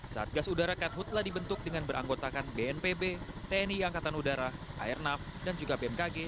satgas udara karhutlah dibentuk dengan beranggotakan bnpb tni angkatan udara airnav dan juga bmkg